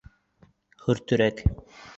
Хөртөрәк!